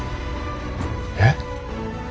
えっ。